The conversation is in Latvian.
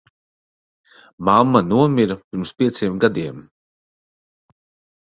Mamma nomira pirms pieciem gadiem.